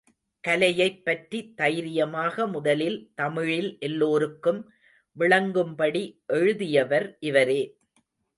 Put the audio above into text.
கலையைப் பற்றி தைரியமாக முதலில் தமிழில் எல்லோருக்கும் விளங்கும்படி எழுதியவர் இவரே.